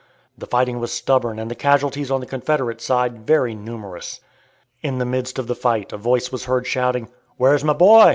The fighting was stubborn and the casualties on the Confederate side very numerous. In the midst of the fight a voice was heard shouting, "Where's my boy?